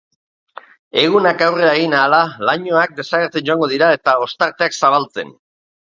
Egunak aurrera egin ahala, lainoak desagertzen joango dira eta ostarteak zabaltzen.